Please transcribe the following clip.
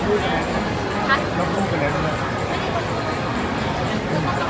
ช่องความหล่อของพี่ต้องการอันนี้นะครับ